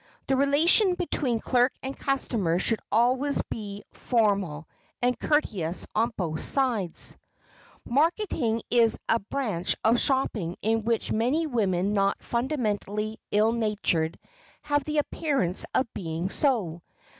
The relation between clerk and customer should be always formal and courteous on both sides. Marketing is a branch of shopping in which many women not fundamentally ill natured, have the appearance of being so.